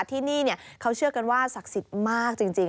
ที่นี่เขาเชื่อกันว่าศักดิ์สิทธิ์มากจริง